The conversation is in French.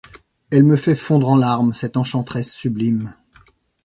Elle me fait fondre en larmes, cette enchanteresse sublime !